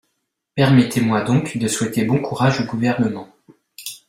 Permettez-moi donc de souhaiter bon courage au Gouvernement.